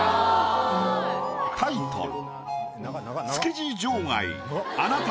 タイトル。